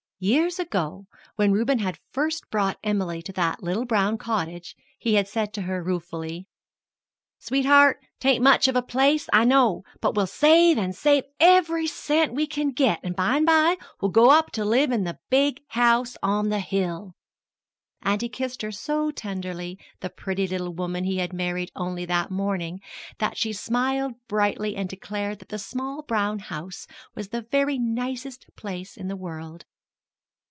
Years ago, when Reuben had first brought Emily to that little brown cottage, he had said to her, ruefully: "Sweetheart, 'tain't much of a place, I know, but we'll save and save, every cent we can get, an' by an' by we'll go up to live in the big house on the hill!" And he kissed so tenderly the pretty little woman he had married only that morning that she smiled brightly and declared that the small brown house was the very nicest place in the world.